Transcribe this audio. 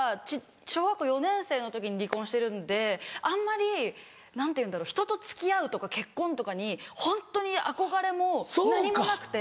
小学校４年生の時に離婚してるんであんまり何ていうんだろう人と付き合うとか結婚とかにホントに憧れも何もなくて。